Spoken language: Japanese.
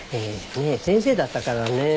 先生だったからね。